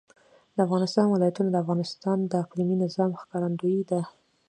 د افغانستان ولايتونه د افغانستان د اقلیمي نظام ښکارندوی ده.